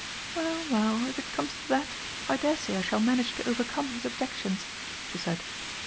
"Well, well, if it comes to that, I dare say I shall manage to overcome his objections," she said.